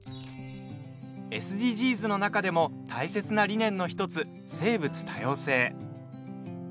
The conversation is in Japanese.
ＳＤＧｓの中でも大切な理念の１つ、生物多様性。